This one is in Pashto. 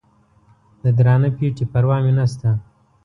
د درانه پېټي پروا مې نسته